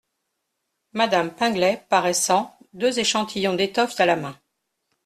Madame Pinglet , paraissant, deux échantillons d’étoffes à la main.